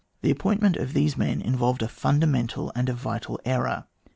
The appointment of these men involved a fundamental and a vital error.